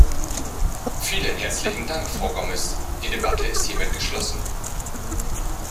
Vielen herzlichen Dank, Frau Gomes. Die Debatte ist hiermit geschlossen.